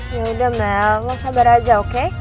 yaudah mel lo sabar aja oke